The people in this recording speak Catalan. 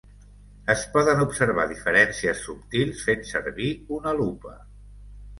Es poden observar diferències subtils fent servir una lupa.